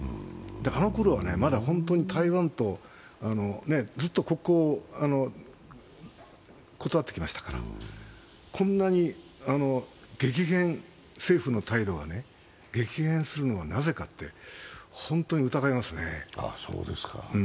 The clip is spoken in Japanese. あのころはまだ本当に台湾とずっと国交を断ってきましたからこんなに政府の態度が激変するのはなぜかって本当に疑いますね。